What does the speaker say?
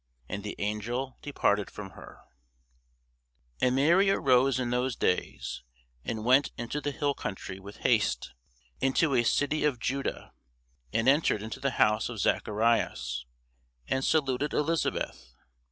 And the angel departed from her. [Sidenote: St. Luke 1] And Mary arose in those days, and went into the hill country with haste, into a city of Juda; and entered into the house of Zacharias, and saluted Elisabeth.